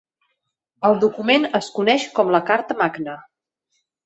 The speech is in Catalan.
El document es coneix com la Carta Magna.